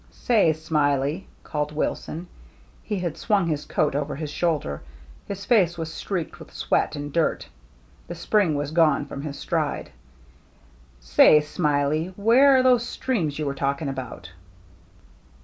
"Say, Smiley," called Wilson. He had swung his coat over his shoulder; his face was streaked with sweat and dirt; the spring was gone from his stride. " Say, Smiley, where are those streams you were talking about